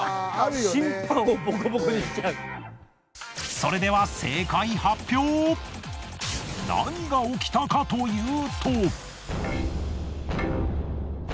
それでは何が起きたかというと。